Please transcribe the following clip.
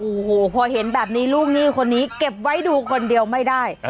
โอ้โหพอเห็นแบบนี้ลูกหนี้คนนี้เก็บไว้ดูคนเดียวไม่ได้